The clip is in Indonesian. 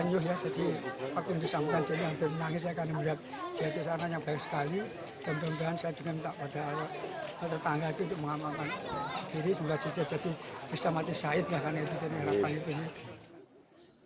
semoga saja jadi bisa mati saiz ya kan itu